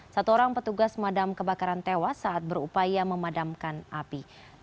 satu orang petugas pemadam kebakaran tewas saat berupaya memadamkan api